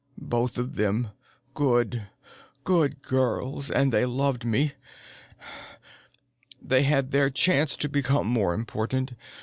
"Both of them. Good, good girls. And they loved me. They had their chance to become more important.